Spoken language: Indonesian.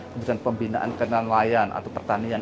kemudian pembinaan kainan layan atau pertanian